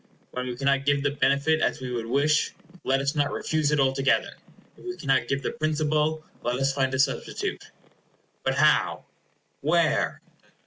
When we cannot give the benefit as we would wish, let us not refuse it altogether. If we cannot give the principal, let us find a substitute. But how? Where?